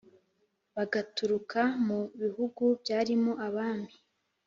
bagaturuka mu bihugu byarimo abami